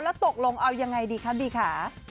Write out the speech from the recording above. แล้วตกลงเอายังไงดีคะบีขา